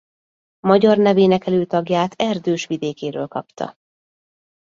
Magyar nevének előtagját erdős vidékéről kapta.